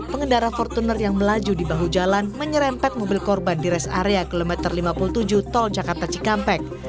pengendara fortuner yang melaju di bahu jalan menyerempet mobil korban di res area kilometer lima puluh tujuh tol jakarta cikampek